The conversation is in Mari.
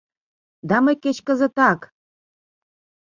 — Да мый кеч кызытак!